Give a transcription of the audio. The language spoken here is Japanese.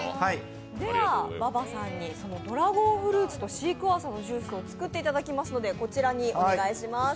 では馬場さんにドラゴンフルーツとシークヮーサーのジュースを作っていただきますのでこちらにお願いします。